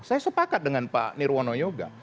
saya sepakat dengan pak nirwono yoga